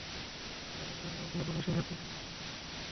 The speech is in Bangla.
দোকানিকে বের করে দিয়ে পুলিশ সেই ছাত্রীকে হেনস্তা করেছে বলে অভিযোগ ওঠে।